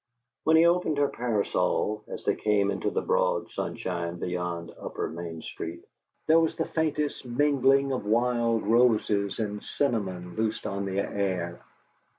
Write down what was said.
When he opened her parasol, as they came out into the broad sunshine beyond Upper Main Street, there was the faintest mingling of wild roses and cinnamon loosed on the air.